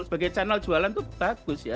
sebagai channel jualan itu bagus ya